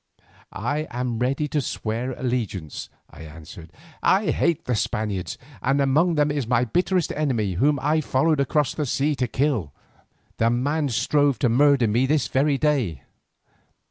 "I am ready to swear allegiance," I answered. "I hate the Spaniards, and among them is my bitterest enemy whom I followed across the sea to kill—the man who strove to murder me this very day.